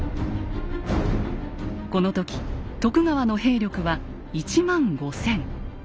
この時徳川の兵力は１万５，０００。